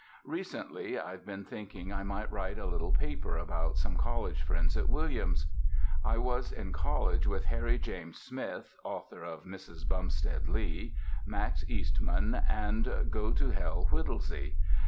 "Recently, I've been thinking I might write a little paper about some college friends at Williams. I was in college with Harry James Smith (author of Mrs. Bumpstead Lee), Max Eastman, and 'Go to Hell' Whittlesey.